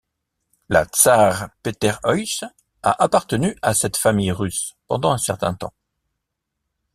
La Tsaar Peterhuisje a appartenu à cette famille russe pendant un certain temps.